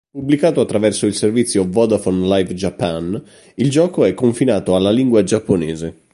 Pubblicato attraverso il servizio "Vodafone live Japan", il gioco è confinato alla lingua giapponese.